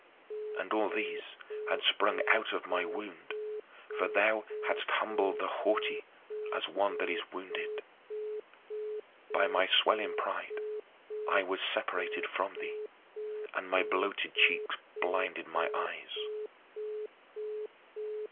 And all these had sprung out of my wound, for thou hadst humbled the haughty as one that is wounded. By my swelling pride I was separated from thee, and my bloated cheeks blinded my eyes.